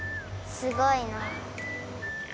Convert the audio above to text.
すごいな！